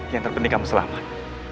yang terpenting kamu selamat